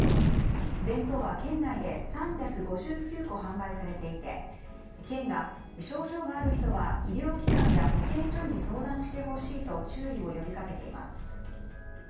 弁当は県内で３５９個販売されていて県が、症状がある人は医療機関や保健所に相談してほしいと注意を呼びかけています。